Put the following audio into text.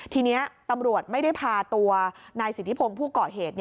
ทีนี้ตำรวจไม่ได้พาตัวนายสิทธิพงศ์ผู้ก่อเหตุ